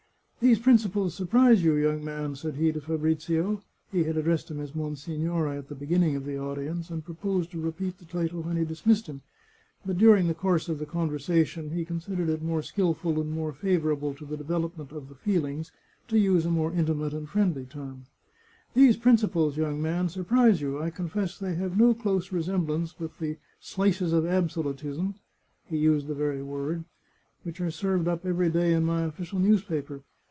" These principles surprise you, young man," said he to Fabrizio (he had addressed him as monsignore at the beginning of the audience, and proposed to repeat the title when he dismissed him, but during the course of the con versation he considered it more skilful and more favourable to the development of the feelings to use a more intimate and friendly term), " these principles, young man, surprise you. I confess they have no close resemblance with the slices of absolutism (he used the very words) which are served up every day in my official newspaper.